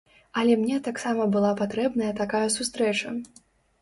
Але мне таксама была патрэбная такая сустрэча.